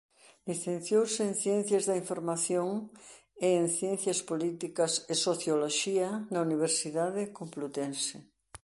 Licenciouse en Ciencias da Información e en Ciencias Políticas e Socioloxía na Universidade Complutense.